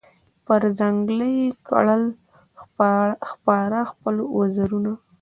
پر ځنګله یې کړل خپاره خپل وزرونه